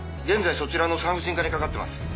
現在そちらの産婦人科にかかってます。